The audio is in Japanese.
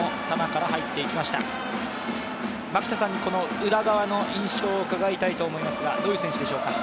宇田川の印象を伺いたいと思いますが、どういう選手でしょうか。